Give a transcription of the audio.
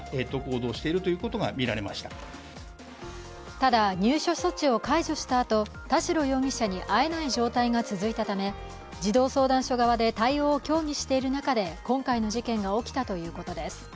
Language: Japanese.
ただ、入所措置を解除したあと田代容疑者に会えない状態が続いたため児童相談所側で対応を協議している中で今回の事件が起きたということです。